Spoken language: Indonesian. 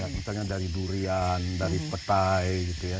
contohnya apa saja